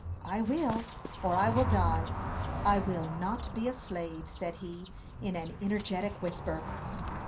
"I will, or I will die. I will not be a slave!" said he, in an energetic whisper.